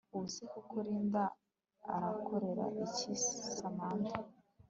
Ubu se koko Linda arakorera iki Samantha